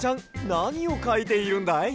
なにをかいているんだい？